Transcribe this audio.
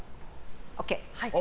ＯＫ。